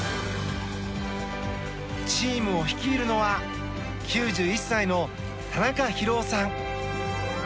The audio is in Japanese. チームを率いるのは９１歳の田中博男さん。